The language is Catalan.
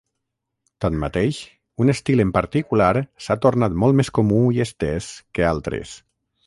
Tanmateix, un estil en particular s'ha tornat molt més comú i estès que altres.